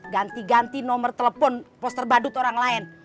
ganti ganti nomor telepon poster badut orang lain